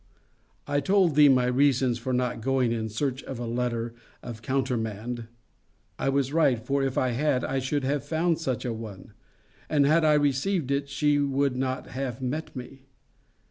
I told thee my reasons for not going in search of a letter of countermand. I was right; for if I had, I should have found such a one; and had I received it, she would not have met me.